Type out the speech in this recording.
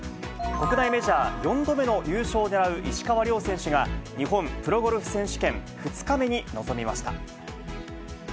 国内メジャー４度目の優勝を狙う石川遼選手が、日本プロゴルフ選手権２日目に臨みました。